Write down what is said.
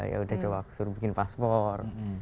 ya sudah coba aku suruh bikin paspor